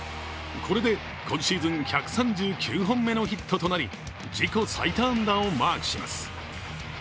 これで今シーズン１３９本目のヒットとなり、自己最多安打をマークします。